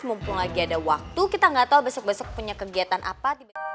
mumpung lagi ada waktu kita nggak tahu besok besok punya kegiatan apa